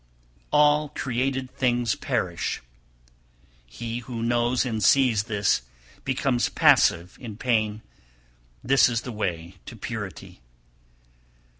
277. `All created things perish,' he who knows and sees this becomes passive in pain; this is the way to purity.